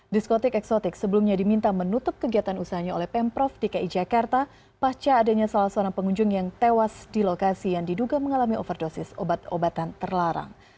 diskotik eksotik sebelumnya diminta menutup kegiatan usahanya oleh pemprov dki jakarta pasca adanya salah seorang pengunjung yang tewas di lokasi yang diduga mengalami overdosis obat obatan terlarang